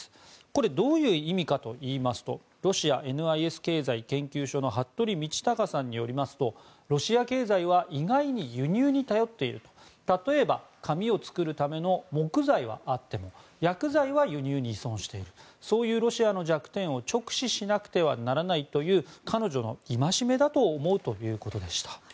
これ、どういう意味かというとロシアＮＩＳ経済研究所の服部倫卓さんによりますとロシア経済は意外に輸入に頼っている例えば紙を作るための木材はあっても薬剤は輸入に依存しているそういうロシアの弱点を直視しなくてはならないという彼女の戒めだと思うということでした。